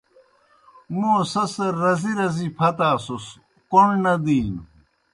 موں سیْسڑ رزی رزی پھتاسُس کوْݨ نہ دِینوْ۔